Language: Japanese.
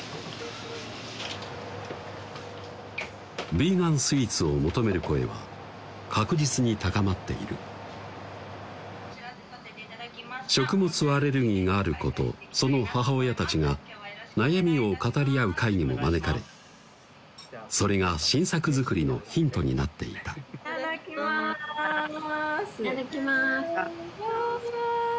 ヴィーガン・スイーツを求める声は確実に高まっている食物アレルギーがある子とその母親たちが悩みを語り合う会にも招かれそれが新作づくりのヒントになっていたいただきます！